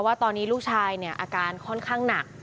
ว่าตอนนี้ลูกชายเนี่ยอาการค่อนข้างหนัก